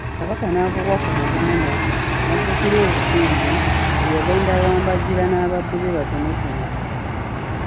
Kabaka n'agobwa ku Buganda n'addukira e Bukumbi gye yagenda awambajjira n'abaddu be batonotono.